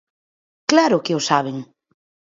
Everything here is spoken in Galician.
Claro que o saben.